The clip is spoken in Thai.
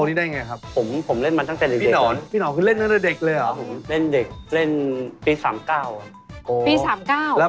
เชิดสิงโตนี่ได้อย่างไรครับ